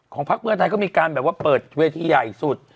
ของภักดิ์เพื่อไทยก็มีการเปิดเวลาที่ใหญ่ที่สุด